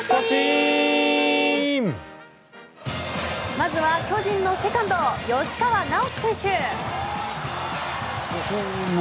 まずは巨人のセカンド、吉川尚輝選手。